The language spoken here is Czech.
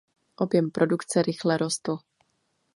Objem produkce rychle rostl.